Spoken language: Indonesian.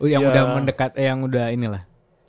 yang sudah mendekat yang sudah inilah